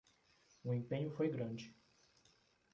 O empenho foi grande